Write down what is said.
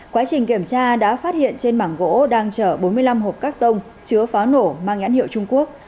quá trình kiểm tra đã phát hiện trên mảng gỗ đang chở bốn mươi năm hộp các tông chứa pháo nổ mang nhãn hiệu trung quốc